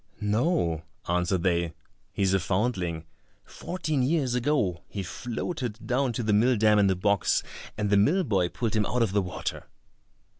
"No," answered they, "he's a foundling. Fourteen years ago he floated down to the mill dam in a box, and the mill boy pulled him out of the water."